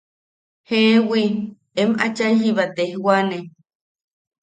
–Jeewi, em achai jiba tejwane.